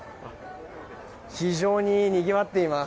非常ににぎわっています。